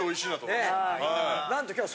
なんと今日は。